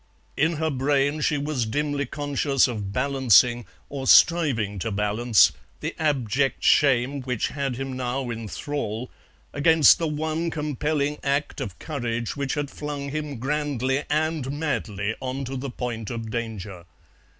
In her brain she was dimly conscious of balancing, or striving to balance, the abject shame which had him now in thrall against the one compelling act of courage which had flung him grandly and madly on to the point of danger.